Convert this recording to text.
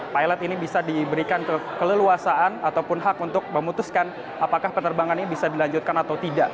pilot ini bisa diberikan keleluasaan ataupun hak untuk memutuskan apakah penerbangan ini bisa dilanjutkan atau tidak